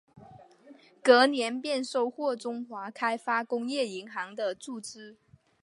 隔年便获得中华开发工业银行的注资。